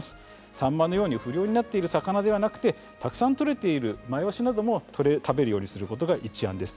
サンマのように不漁になっている魚ではなくたくさん取れているマイワシなどを食べるようにすることが一案です。